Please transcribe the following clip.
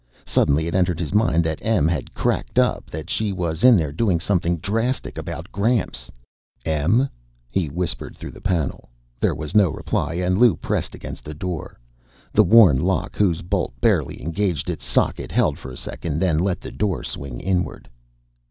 Suddenly, it entered his mind that Em had cracked up, that she was in there doing something drastic about Gramps. "Em?" he whispered through the panel. There was no reply, and Lou pressed against the door. The worn lock, whose bolt barely engaged its socket, held for a second, then let the door swing inward.